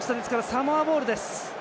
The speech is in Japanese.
サモアボールです。